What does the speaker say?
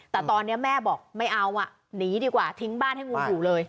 แต่ตอนนี้แม่บอกไม่เอาอ่ะหนีดีกว่าทิ้งบ้านให้งูอยู่เลย